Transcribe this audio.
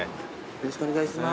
よろしくお願いします。